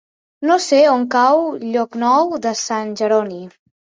No sé on cau Llocnou de Sant Jeroni.